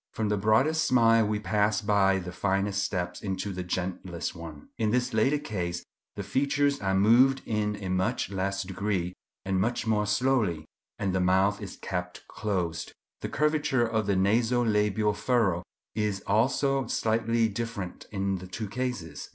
From the broadest smile we pass by the finest steps into the gentlest one. In this latter case the features are moved in a much less degree, and much more slowly, and the mouth is kept closed. The curvature of the naso labial furrow is also slightly different in the two cases.